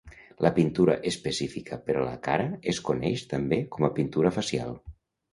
La pintura específica per a la cara es coneix també com a pintura facial.